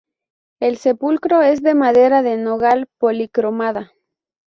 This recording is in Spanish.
El sepulcro es de madera de nogal policromada.